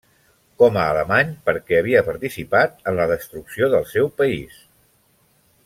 Com a alemany, perquè havia participat en la destrucció del seu país.